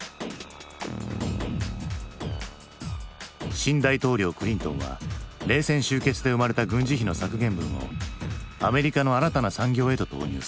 新大統領クリントンは冷戦終結で生まれた軍事費の削減分をアメリカの新たな産業へと投入する。